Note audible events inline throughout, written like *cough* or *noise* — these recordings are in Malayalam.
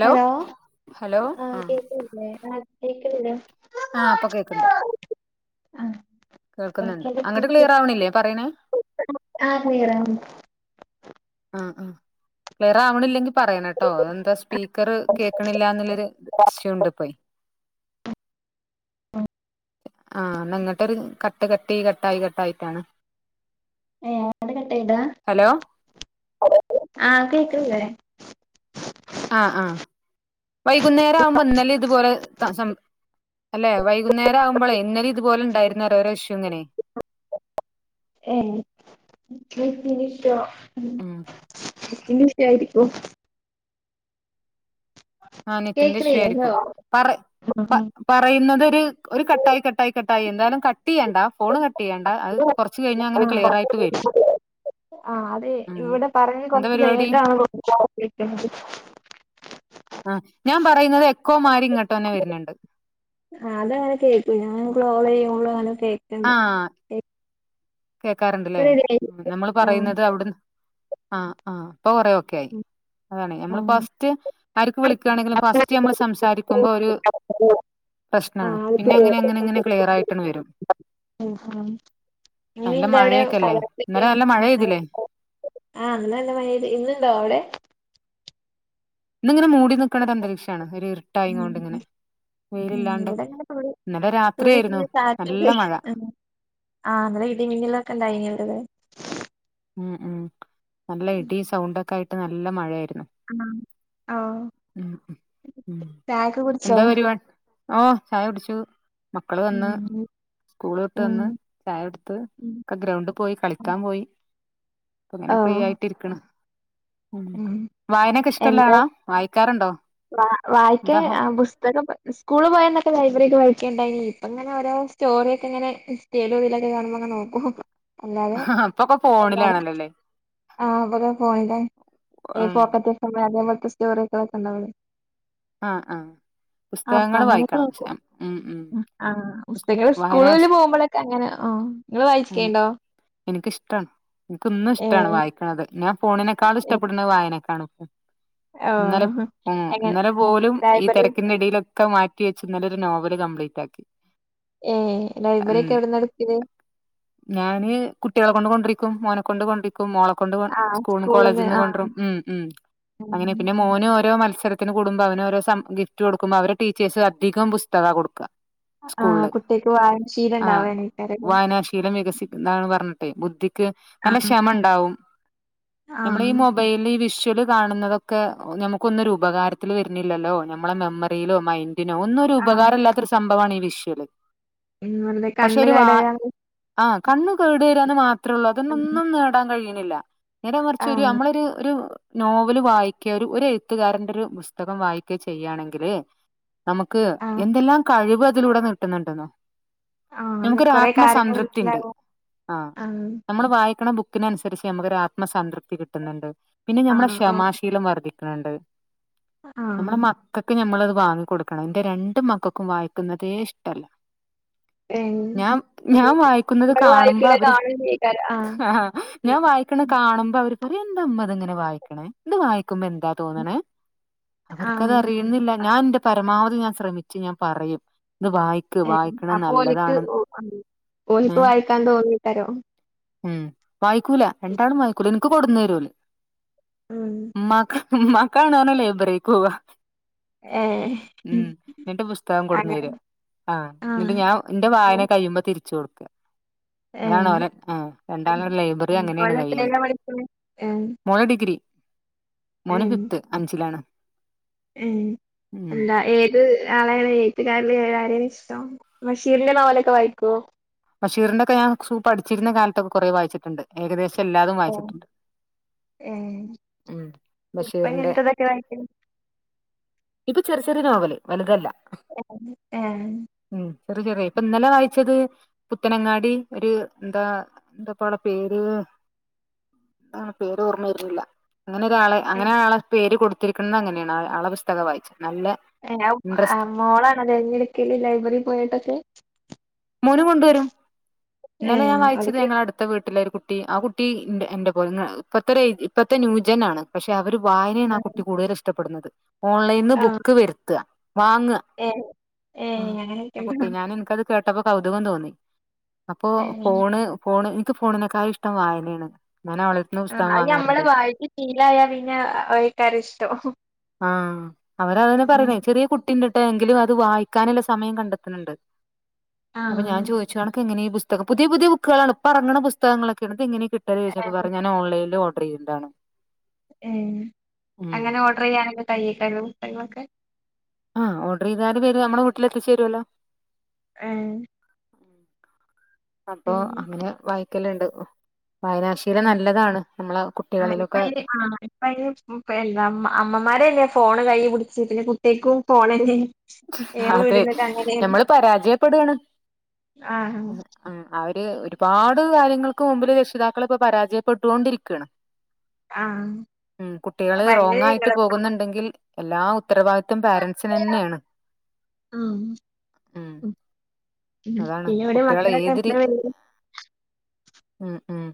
ഹലോ ഹലോ ആഹ് ആ കേക്കണില്ലേ ആഹ് കേക്കണില്ല ആഹ് ഇപ്പൊ കേക്ക്ണ്ട് ആഹ് കേൾക്ക്ന്ന്ണ്ട് അങ്ങട്ട് ക്ലിയർ ആവണില്ലേ പറയണേ ആഹ് ക്ലിയറാവുന്ന് ആഹ് ആഹ് ക്ലിയർ ആവണില്ലെങ്കി പറയണെട്ടോ എന്താ സ്പീക്കറ് കേക്കണില്ല എന്നുള്ളൊരു ഇഷ്യൂ ഇണ്ട് ഇപ്പൊയി ആഹ് എന്നാ ഇങ്ങട്ടൊരു കട്ട് കട്ടീ കട്ടായി കട്ടായിറ്റാണ് ഏഹ് *unintelligible* കട്ടെയ്താ ഹലോ *unintelligible* ആഹ് കേക്കണില്ലേ ആഹ് ആഹ് വൈകുന്നേരം ആവുമ്പോ ഇന്നലേം ഇതുപോലെ ആഹ് സം അല്ലേ വൈകുന്നേരം ആവുമ്പളേ ഇന്നലേം ഇതു പോലെ ഉണ്ടായിരുന്ന്‌ ഓരോരോ ഇഷ്യൂ ഇങ്ങനെ ഏഹ് നെറ്റ് വർക്കിന്റെ ഇഷ്യൂ ഉം നെറ്റിന്റെ ഇഷ്യൂ ആയിരിക്കും ആഹ് നെറ്റിന്റെ ഇഷ്യൂവായിരിക്കും കേക്ക്ണില്ലല്ലോ പറേ ആ പ പറയുന്നത് ഒരു ഒരു കട്ടായി കട്ടായി കട്ടായി എന്തായാലും കട്ട് ചെയ്യണ്ട ഫോണ് ക ട്ടെയ്യണ്ട അത് കൊറച്ച് കഴിഞ്ഞാ അങ്ങനെ ക്ലിയറായിട്ട് വരും ആഹ് അതെ ഉം ഇവിടെ പറഞ്ഞേ എന്താ കൊറച്ച് പരിപാടി *unintelligible* ആഹ് ഞാൻ പറയുന്നത് എക്കോ മാരി ഇങ്ങൊട്ട് തന്നെ വര്ണ് ണ്ട് ആഹ് അതങ്ങനെ കേക്കും ഞാനും ക്ലോള് ചെയ്യ്മ്പൊള് അങ്ങനെ കേ ആഹ് ഇപ്പ കേക്കാറുണ്ടല്ലേ റെഡിയായി നമ്മള് ആ പറയുന്നത് അവിടുൻ ആഹ് ആഹ് ഇപ്പൊ പറയോ ക്കെ ആ അതാണ് നമ്മള് ആഹ് ഫസ്റ്റ് ആർക്ക് വിളിക്കുകയാണെങ്കിലും ആഹ് ഫസ്റ്റ് നമ്മള് സംസാരിക്കുമ്പോ ഒരു പ്രശ്നാണ് അത് പിന്നെ ഇങ്ങനെ ഇങ്ങനെ ഇങ്ങനെ ക്ലിയർ ആയിട്ടണ് വരും മ്ഹ് ഹാ എങ്ങനെ നല്ല ഉണ്ട് അവിടെ മഴയൊക്കെല്ലേ കാലാവസ്ഥയൊക്കെ ഇന്നലെ നല്ല മഴ പെയ്തില്ലേ ആഹ് ഇന്നലെ നല്ല മഴ പെയ്തു ഇന്നുണ്ടോ അവിടെ ഇന്നിങ്ങനെ മൂടി നിൽക്കണ ഒരു അന്തരീക്ഷാണ് ഒരു ഉം ഇറിട്ടായിങ്ങൊണ്ട് ഇങ്ങനെ വെയില് ഉം ഇല്ലാണ്ടെ ഇവിടെങ്ങനെ തുള്ളി ഇന്നലെ രാത്രിയായിരുന്നു തുള്ളിയിട്ടിങ്ങനെ നല്ല ചാറ്റല് മഴ ആഹ് ആഹ് ഇന്നലെ ഇടീം മിന്നലൊക്കെ ഉണ്ടായിനി ഇവിടെ ഉം ഉം നല്ല ഇടി സൗണ്ടൊക്കെ ആയിട്ട് നല്ല മഴായിരുന്നു ആഹ് ആഹ് ഉം ചായൊക്കെ കുടിച്ചോ എന്തോ പരുപാ ഓഹ് ചായ കുടിച്ചു മക്കള് വന്ന് ഉം സ്കൂള് വിട്ട് ഉം വന്ന് ചായ കൊടുത്ത് ഉം ക്ക ഗ്രൗണ്ടി പോയി കളിക്കാൻ പോയി ഇപ്പൊ ഇങ്ങനെ ഫ്രീ ഓഹ് ആയിട്ടിരിക്കണ് ഉ ഉം വായനക്കെ ഇഷ്ടമല്ല എന്താ ആളാ വായിക്കാറുണ്ടോ എന്താഹോ ഇതൊക്കെ പ സ്കൂളില് പോയന്നൊക്കെ ലൈബ്രറിക്കേ വായിക്ക ഇണ്ടായിനി ഇപ്പ ഇങ്ങനെ ഓരോ സ്റ്റോറിയൊക്കെ ഇങ്ങനെ *unintelligible* കാണുമ്പോ ഇങ്ങനെ നോക്കും അല്ലാതെ ഇപ്പൊക്കെ എന്താണ് ഫോണിലാണല്ലോല്ലേ ആഹ് ഇവരെ *unintelligible* ഈ ഉം പോക്കറ്റ് എഫ് എം മ് അതേ പോലത്തെ സ്റ്റോറിയക്കേ വായിക്ക ഒണ്ടാവൊള്ളൂ ആഹ് ആഹ് അപ്പൊ പുസ്തകങ്ങൾ അങ്ങനെയൊക്കെ വായിക്കണം പക്ഷെ, നോക്കു ഉം ഉം ആഹ് പുസ്തകൾ വായനാ സ്കൂളില് പോകുമ്പോഴ അങ്ങനെ ആഹ് നിങ്ങള് ഉം വായിച്ച്ക്കേണ്ടോ എനിക്കിഷ്ടാണ് എനിക്കെന്നും ഏ ഇഷ്ടാണ് വായിക്കണത് ഞാൻ ഫോണിനേക്കാള് ഏ ഇഷ്ടപ്പെടുന്നത് വായനെക്കാണ് ഓ ഇന്നലെ ഉം എങ്ങനെ ഇന്നലെ പോലും ഈ ലൈബ്രറി തിരക്കിന്റെ ഇടയില് ഒക്കെ മാറ്റി വെച്ച് ഇന്നലെയൊരു നോവല് കംപ്ലീറ്റ് ആക്കി ഏഹ് ലൈബ്രറി ഉം ഒക്കെ എവിടാന്ന് എടുക്കല് ഞാന് കുട്ടികളെ കൊണ്ട് കൊണ്ടിരിക്കും മോനെ കൊണ്ട് കൊണ്ടി ക്കും മോളെ കൊണ്ട് ആ സ്കൂള് സ്കൂളിന്ന് കോളേജിന്ന് ആ കൊണ്ടരും ഉം ഉം അങ്ങനെ പിന്നെ മോനും ഓരോ മത്സര ത്തിന് കൂടുമ്പോ അവന് ഓരോ സം ഗിഫ്റ്റ് കൊടുക്കുമ്പോ അവര് ടീച്ചേഴ്സ് അധികം പുസ്തകാ കൊടുക്കുക ആഹ് കുട്ടികക്ക് വാങ്ങി ശീലം ഇണ്ടാവും *unintelligible* ശീലം വികസിക്കുന്നാണ് പറഞ്ഞിട്ട് ബുദ്ധിക്ക് ആ നല്ല ക്ഷമ ഉണ്ടാവും നമ്മള് ആഹ് ഈ മൊ ബൈലിൽ ഈ വിഷ്വല് കാണുന്നതൊക്കെ നമുക്കൊന്നും ഒരു ഉപകാരത്തിൽ വരുന്നില്ലല്ലോ നമ്മളെ മെമ്മറിയിലോ മൈൻഡ് ഒന്നും ഒരു ആഹ് ഉപകാരമില്ലാത്തൊരു സംഭവമാണ് ഈ വിഷ്വല് പിന്ന വെറുതെ പക്ഷെ കണ്ണ് ഒരു വാ കേടായ ആഹ് കണ്ണ് കേട് വരുകാന്ന് മാത്രേള്ളൂ അതൊന്നൊന്നും നേടാൻ കഴിയണില്ല നേരെ മറിച്ച് ഒരു ആഹ് നമ്മളൊരു ഒരു നോവല് വായിക്കയോ ഒരു എഴുത്തുകാരന്റെ ഒരു പുസ്തകം വായിക്കുവോ ചെയ്യുവാണെങ്കില് നമുക്ക് ആഹ് എന്തെല്ലാം കഴിവ് അതിലൂടെ കിട്ടുന്നുണ്ടെന്നോ ആഹ് അങ്ങനെ കൊറെ കാര്യങ്ങൾ ഇണ്ട് മനസ്സിലാവും ആഹ് നമ്മള് വായിക്കണ ബുക്കിനനുസരിച്ച് നമുക്കൊരു ആത്മസംതൃപ്തി കിട്ടുന്നുണ്ട് പിന്നെ ഞമ്മളെ ആഹ് ആഹ് ക്ഷമാശീലം വർദ്ധി ക്കണുണ്ട് ആഹ് നമ്മുടെ മ ക്കൊക്ക് ഞമ്മളത് വാങ്ങി കൊടുക്കണം എന്റെ രണ്ട് മക്കൾക്കും വായിക്കുന്നതേ ഇഷ്ടല്ല ഏഹ് ഞാൻ അത് ഞാൻ വായിക്കുന്നത് കുട്ടികള് കാണുമ്പോ വായിക്കണ അവര് കാണുന്നേക്കാരം ആഹ് ഞാൻ വാ വായിക്കണ കാണുമ്പോ അവര് പറയും എന്താ ഉമ്മ ഇത് ഇങ്ങനെ വായിക്കണ ഇത് വായിക്കുമ്പോ എന്താ ഉം. തോന്നണെ അവർക്കത് ആഹ് അറിയുന്നില്ല ഞാൻ എന്റെ പരമാവധി ഞാൻ ശ്രമിച്ചു ഞാൻ പറയും ഇത് വായി ക്ക് വായിക്കണ നല്ലതാണ് ഏ ഓലിക്ക് വായിക്കാൻ തോന്നിട്ടരോ ഉം വായിക്കൂല രണ്ടാളും വായിക്കൂല എനിക്ക് കൊടുന്ന് തരുവൊള്ളു ഉം ഉമ്മാക്ക ഉമ്മാക്കാണെന്നു പറഞ്ഞാ ലൈബറിയേക്ക് പോവുക ഉം എന്നിട്ട് പുസ്തകം കൊണ്ടുന്നു അങ്ങനെ തരും ആഹ് എന്നിട്ട് ഞാൻ എന്റെ വായന ഉം. കഴിയുമ്പോ തിരിച്ചു കൊടുക്കാ അതാണ് ഏഹ് ഓല് ആഹ് രണ്ടാളും ലൈബ്രറി അങ്ങനെയാണ് ഓള് കഴിയല് എത്രയിലാ പഠിക്കണെ ഏഹ് മോള് ഡിഗ്രി മോന് ഫിഫ്ത്ത് അഞ്ചിലാണ് ഉം ഉം അല്ല ഏൽ ഏത് ആളെയാണ് എഴുത്തുകാരില് ആരെയാണ് ഇഷ്ടം ബഷീറിന്റെ നോവലൊക്കെ വായിക്കുവോ ബഷീറിന്റൊക്കെ ഞാൻ സ് പഠിച്ചിരുന്ന കാലത്തൊക്കെ കുറെേ വായിച്ചിട്ടുണ്ട് ഏകദേശം എല്ലാതും വായിച്ചിട്ടുണ്ട് ഏഹ് ഉം ഇപ്പൊ ബഷീറിന്റെ ഇനട്ടതൊക്കെ വായിക്കും ഇപ്പൊ ചെറിയ ചെറിയ നോവല് വലുതല്ല ആഹ് ഉം ചെറിയ ചെറിയ ഇപ്പൊ ഇന്നലെ വായിച്ചത് പുത്തനങ്ങാടി ഒരു എന്താ എന്താപ്പോളേ പേര് ആഹ് പേര് ഓർമ വെരുന്നില്ല അങ്ങനെ ഒരാളെ അങ്ങനെ ആളെ പേര് കൊടുത്തിരിക്കണത് അങ്ങനെയാണ് ആളെ പുസ്തകം വായിച്ചേ നല്ല ഏഹ് ഇൻട്രസ്റ്റ് മോളാണൊ തെരഞ്ഞെടുക്കല് ലൈബ്രറിയിൽ പോയിട്ടൊക്കെ മോനും കൊണ്ടുവരും ഏ ഇന്നലെ ഞാൻ വായിച്ചത് അവൾക്ക് ഞങ്ങളെ അടുത്ത് ടുത്ത വീട്ടിലെ ഒരു കുട്ടി ആഹ് കുട്ടി എന്റെ പോലെ ഇപ്പത്തെ ഇപ്പത്തെ ന്യൂജെൻ ആണ് പക്ഷെ അവര് വായനാണ് ആഹ് കുട്ടി കൂടുതൽ ഇഷ്ടപ്പെടുന്നത് ഓൺലൈനിൽ നിന്ന് ആ ബുക്ക് വരുത്തുക വാങ്ങുക ഏ ഏ ആഹ് അങ്ങനെയൊക്കെ ആഹ് കുട്ടി ഉണ്ടോ ഞാൻ എനക്ക്ത് കേട്ടപ്പൊ കൗതുകം തോന്നി അപ്പോ ഏ ഫോണ് ഫോണ് ഇൻക്ക് ഫോണിനെ കായു ഇഷ്ടം വായനയാണ്. ഞാൻ അവള ആഹ് അത് നമ്മള് വായിച്ച് ശീലായാ പിന്നെ വഴക്കാര ഇഷ്ടോ ആഹ് അവരതെന്നെ പറയണേ ചെറിയ കുട്ടിണ്ട്ട്ടോ എങ്കിലും അത് വായിക്കാനുള്ള സമയം കണ്ടെത്തുണ്ണ്ട് ആ അപ്പൊ ഞാൻ ചോദിച്ചു അണക്ക് എങ്ങനെ ഈ പുസ്തം പുതിയ പുതിയ ബുക്കുകളാണ് ഇപ്പം ഇറങ്ങുന്ന പുസ്തകങ്ങളൊക്കേണ് ഇത് എങ്ങനെ കിട്ടല് ചോയ്ചപ്പൊ ച്ച്പ്പോ പറഞ്ഞുഞ നോൺലൈനില് ഓർഡർയ്യതാണ് ഏ.. അങ്ങനെ ഓർഡർ ചെയ്യാനൊക്കെ കയ്യി ത ര്വോ പുസ്തകങ്ങളൊക്കെ ആഹ് ഓർഡർ ചെയ്താല് വരു നമ്മുടെ വീട്ടില് എത്തിച്ച് തരുവല്ലോ ഏഹ് അപ്പൊ പിന്നെ അങ്ങനെ വായിക്കല്ണ്ട്. വായനാശ ഇല ഉം നല്ലതാണ് നമ്മളെ ആ ഇപ്പ കുട്ടികളിലൊക്കെ അയിന് ആ ഇപ്പ അയിന് പ് എന്താ അമ്മമാരന്നെ ഫോണ് കയ്യി പിടിച്ച് പിന്നെ കുട്ട്യേക്കും ഫോണെന്നെ ഹതെ. ഹ് ഞമ്മള് പരാജയപ്പെടുകാണ് ആഹ് ഉം അവര് ഒരുപാട് കാര്യങ്ങൾക്ക് മുമ്പില് രക്ഷിതാക്കളിപ്പൊ പരാജയപ്പെട്ടോണ്ടിരിക്കയാണ് ആഹ് മ്മ് കുട്ടികള് അപ്പൊ അയിന്റെ ഒരു റോങ്ങായിട്ട് ഇളക്കാണ് പോകുന്നുണ്ടെങ്കിൽ എല്ലാ ഉത്തരവാദിത്വം പാരൻറ്സിന് ന്നെയാണ് ഊമ് ഉം അതാണ് പിന്നെ ഇവിടെ കുട്ട്യാളെ മക്കളൊക്കെ ഏതിരി എപ്പളാ മ്മ് മ്മ്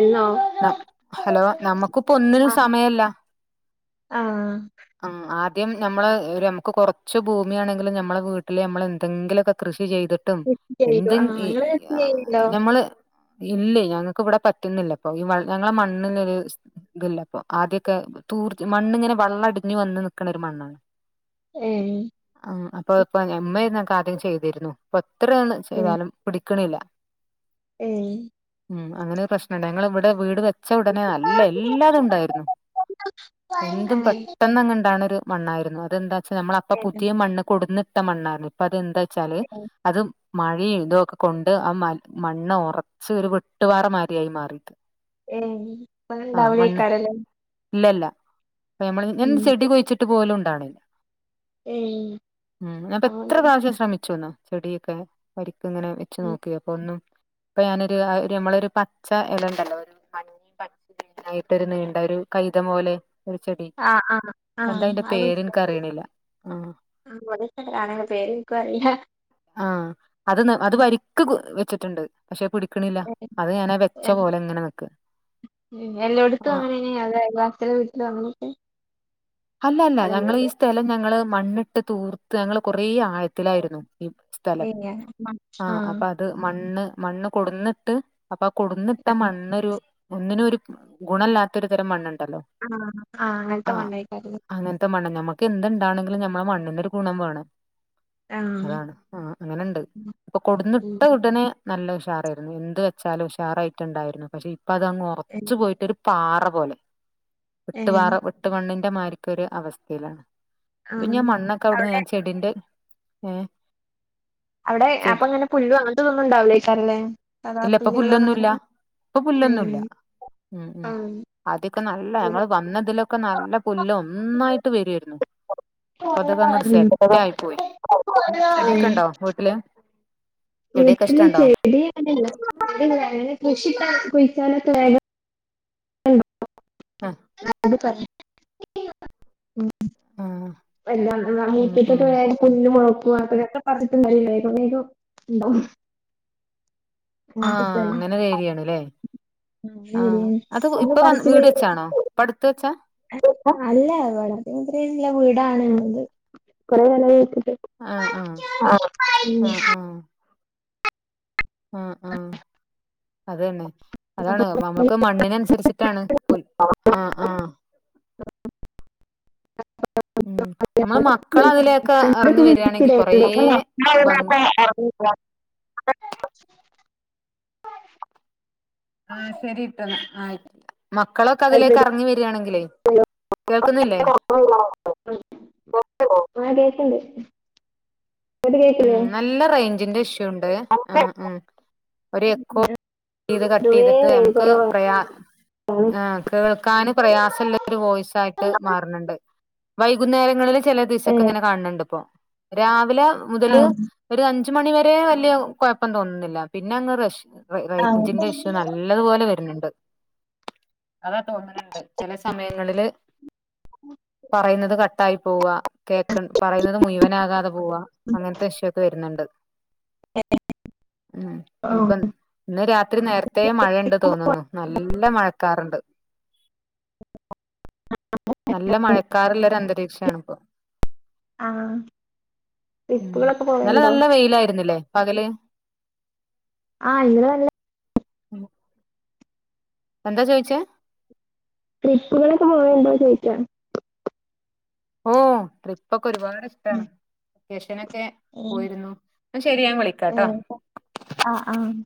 എന്നോ ന ഹലോ നമ്മുക്ക്പ്പ ഒന്നിനും ആഹ് സമയല്ല ആഹ് മ്മ് ആദ്യം നമ്മള് രമുക്ക് കുറച്ച് ഭൂമിയാണെങ്കിലും നമ്മളെ വീട്ടില് നമ്മൾ എന്തെങ്കിലൊക്കെ കൃഷി ചെയ്ത് ട്ടും കൃഷി ചെയ്തു ആ എന്തൻ ഇ ഇങ്ങള് കൃഷി അ ചെയ്യ്ണ്ടോ ഞമ്മള് ഇല്ലേയ് ഞങ്ങക്ക് വിടെ പറ്റുന്നില്ല പ്പൊ ഈ വ ഞങ്ങളെ മണ്ണിന് ഒര് ത്ല്ലപ്പൊ ആദ്യൊക്കെ തൂർത് മണ്ണിങ്ങനെ വള്ളടിഞ്ഞ് വന്ന് നിക്ക്ണ ഒരു മണ്ണാണ് ഏമ് ആഹ് അപ്പൊ ഇപ്പൊ ഇമ്മയ്രുന്നു ക്ക ആദ്യം ചെയ്തിരുന്നു. ഇപ്പൊ എത്രയാണ് ചെയ്താലും പിടിക്കണില്ല മ്മ് മ്മ് അങ്ങനെ ഒരു പ്രശ്നണ്ട്. ഞങ്ങള് വ്ടെ വീട് വ ച്ച ഉടനെ നല്ല എല്ലാതും ഉണ്ടായിരുന്നു. ഏഹ് എന്തുംപെട്ട് ന്നണ്ടാക്ണ ഒരു മണ്ണായിരുന്നു. അതെന്താച്ചാ നമ്മള് അപ്പൊ ഏഹ് പുതിയ മണ്ണ് കൊടുന്നിട്ട മണ്ണായിരുന്നു അപ്പ അതെന്താച്ചാല് അത് മഴീ തുഒ ക്കെ കൊണ്ട് ആ മ മണ്ണ് ഉറ ച്ച് ഒരു വെട്ടുപാറ മായിരിയായി മാറിയിട്ട് ഏയ് ഇപ്പങ്ങനെ ഉണ്ടാവുലേകാരം ല്ലെ. ഇല്ലല്ല പ്പ നമ്മള് ഞാൻ ഉം ചെടി കുയി ച്ചിട്ട് പോലും ഇണ്ടാണില്ല ഏഹ് ഉം ഞാൻ പ്പെത്ര അപ്പൊ പ്രാവശ്യം ശ്രമിച്ചുന്നോ ചെടിയൊക്കെ വരിക്ക്ങ്ങനെവെ ച്ച് നോക്കിയപ്പൊ ഒന്നും പ്പൊ ഞാനൊരു രമ്മളെ ഒരു പച്ച ഇല ഉണ്ടല്ലോ മഞ്ഞീം പച്ചീ മായിട്ടൊരു നീണ്ട ഒരു കൈത പോലെ ഒരു ചെടി ആഹ് ആഹ് ആഹ് എന്താ അയിന്റെ പേര് ഇൻക്കറീണ് ല്ല ആഹ് ഇവടൊക്കെ കാണാ ആപേര് നക്കു ക്കും അറീല്ല ആഹ് അത് ന് അത് വരിക്ക് വെച്ചിട്ടുണ്ട് പക്ഷെ പിടിക്ക്ണില്ല അത് ഞാനാ വെച്ച പോലെ ങ്ങനെ നിക്ക. ആഹ് ഏ അയൽവാസ്യാളെ വീട്ടിൽ *unintelligible* അല്ല അല്ല ഞങ്ങള് ഈ സ്ഥലം ഞങ്ങള് മണ്ണിട്ട് തൂർത്ത് ഞങ്ങൾ കൊറെ ആഴ ത്തിലായിരുന്നു ഈ സ്ഥലം ആഹ് അപ്പൊ അത് മണ്ണ് മണ്ണ് കൊടന്ന്ട്ട് അപ്പൊ കൊടന്ന്ട്ട മണ്ണൊരു ഒന്നിനു ഒരു ഗുണല്ലാത്തൊരു തരം മണ്ണുണ്ടല്ലോ ആഹ് ആഹ് അങ്ങനത്തെ മണ്ണായിക്കരം ല്ലേ അങ്ങനത്തെ മണ്ണ് ഞമ്മക്ക് എന്തുണ്ടാകണെങ്കിലും ഞമ്മളെ മണ്ണിനൊരു ഗുണം വേണം ആഹ് ആഹ് അങ്ങനുണ്ട് അപ്പൊ കൊടുന്നിട്ട ഉം ഉടനെ നല്ല ഉഷാർ ആയിരുന്നു എന്ത് വെച്ചാലും ഉഷാർ ആയിട്ടുണ്ടായിരുന്നു പക്ഷെ ഇപ്പ അതങ്ങ് ഉറച്ചു പോയിട്ടൊരു പാറ പോലെ ഒട്ടുപാറ ഏഹ് ഒട്ടുമണ്ണിന്റെ മാരിക്കൊരു അവസ്ഥയിലാണ് ഇപ്പ ആഹ് ഞാൻ മണ്ണൊക്കെ അവിടന്ന് അവിടെ ഞാൻ ചെടിന്റെ ഏഹ് അവിടെ ചെടി അപ്പൊങ്ങനെ പുല്ലും അങ്ങനത്തൊന്നും ഉണ്ടാവില്ലേ ക ഇപ്പൊ പുല്ലികളോ പുല്ലൊന്നുല്ല അങ്ങനെ ഇപ്പ പുല്ലൊന്നും ഉം ഇല്ല ഉം ഉം ആദ്യൊക്കെ നല്ല ഞങ്ങൾ വന്നതിലൊക്കെ നല്ല പുല്ല് ഒന്നായിട്ട് വരുവായിരുന്നു അപ്പഴുതേക്ക് അങ്ങോട്ട് സെറ്റ് ആഹ് ആയി പോയി നിങ്ങക്ക് ഉം ചെടിയൊക്കെ ഉണ്ടോ വീട്ടില് ചെടിയൊക്കെ വീട്ടില് ഇഷ്ടണ്ടോ ചെടി *unintelligible* കുഴിക്കാനൊക്കെ വേഗം ആഹ് *unintelligible* ഉം ആഹ് ഉം ഉം *unintelligible* *unintelligible* ആഹ് സ്ഥലം അങ്ങനെ ഒരു ഏരിയാണല്ലേ അങ്ങനെ ആഹ് വരികയാണ് അത് ഒന്ന് ഇപ്പൊ വ പറിച്ച് വീട് വെച്ചാണോ ഇപ്പ അടുത്ത് വെച്ചാ അല്ല *unintelligible* ആഹ് ആഹ് ആഹ് ആഹ് ആഹ് ആഹ് ആഹ് അതന്നെ അതാണ് നമുക്ക് മണ്ണിനനുസരിച്ചിട്ടാണ് *unintelligible* ആഹ് ആഹ് ഉം നമ്മള് മക്കള് അതിലേക്ക് ഇറങ്ങി വരിയാണെങ്കിൽ കൊറേ ഭംഗി *unintelligible* ആഹ് ശരിട്ടന്നാ ആയി മക്കളൊക്കെ അതിലേക്ക് ഇറങ്ങി വരിയാണെങ്കിലെ കേൾക്കുന്നില്ലേ ഉം *unintelligible* നല്ല റേഞ്ചിന്റെ ഇഷ്യൂ ഉണ്ട് ആഹ് ആഹ് ഒരു എക്കോ ഇത് കട്ട് പൊതുവേ ചെയ്തിട്ട് റേഞ്ച് നമുക്ക് കുറവാ പ്രയാ *unintelligible* ആഹ് കേൾക്കാൻ പ്രയാസില്ല ഒരു വോയിസായിട്ട് മാറുന്നുണ്ട് വൈകുന്നേരങ്ങളിൽ ചില ഏ ദിവസൊക്കെ ഇങ്ങനെ കാണണ്ട് ഇപ്പോ രാവിലെ ആ മുതല് ഒരു അഞ്ച് മണി വരെ വലിയ കുഴപ്പം തോന്നുന്നില്ല പിന്നെ അങ്ങ് റഷ് ആ റേഞ്ചിന്റെ ഇഷ്യൂ നല്ല നല്ലതുപോലെ വരുന്നുണ്ട് അതാ തോന്നുന്നുണ്ട് ചില സമയങ്ങളില് പറയുന്നത് കട്ടായി പോവ കേക്ക പറയുന്നത് മുഴുവനാകാതെ പോവാ അങ്ങനത്തെ വിഷയൊക്കെ വരുന്നുണ്ട് ഉം *unintelligible* ഇന്ന് രാത്രി നേരത്തെ മഴയുണ്ട് തോന്നുന്നു നല്ല മഴക്കാറുണ്ട് നല്ല മഴക്കാറുള്ള ഒരു അന്തരീക്ഷമാണിപ്പോ ആഹ് ഉം ഇന്നലെ നല്ല വെയിലായിരുന്നില്ലേ പകല് ആഹ് ഇന്നലെ നല്ല എന്താ ചോദിച്ച ട്രിപ്പുകളൊക്കെ പോവ ഉണ്ടോ എന്ന് ചോദിച്ചാ ഓഹ് ട്രിപ് ഒക്കെ ഒരുപാട് ഇഷ്ടാണ് വെക്കേഷനൊക്കെ ഏഹ് പോയിരുന്നു ന്ന ശരി ഞാൻ ഏ വിളിക്കാട്ടോ ഹ് ആഹ് ആഹ്